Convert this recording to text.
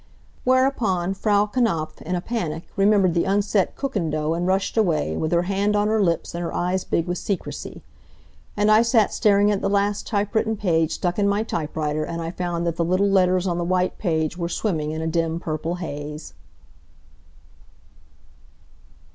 Whereupon Frau Knapf, in a panic, remembered the unset Kuchen dough and rushed away, with her hand on her lips and her eyes big with secrecy. And I sat staring at the last typewritten page stuck in my typewriter and I found that the little letters on the white page were swimming in a dim purple haze.